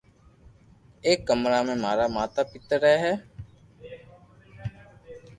ايڪ ڪمرا مي مارا ماتا پيتا رھي ھي